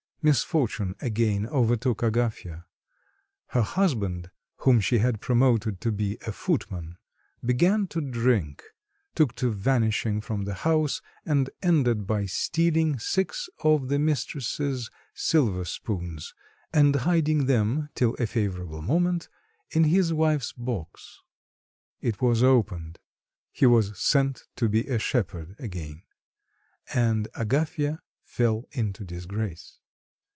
Misfortune again overtook Agafya. Her husband, whom she had promoted to be a footman, began to drink, took to vanishing from the house, and ended by stealing six of the mistress' silver spoons and hiding them till a favourable moment in his wife's box. It was opened. He was sent to be a shepherd again, and Agafya fell into disgrace.